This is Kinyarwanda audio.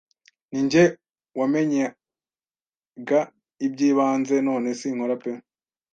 ni njye wamenyaga iby’ibanze none sinkora pe.”